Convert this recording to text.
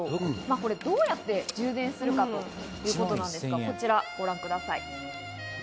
どうやって充電するかということですが、こちらをご覧ください。